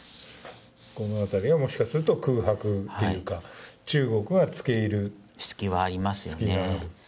この辺りはもしかすると空白というか、中国が付け入る隙はある。